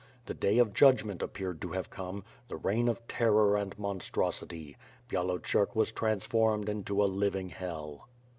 The Day of Judgment appeared to have come; the reign of terror and monstrosity. Byalocerk was transformed into a living Hell.